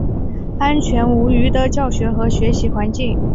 安全无虞的教学和学习环境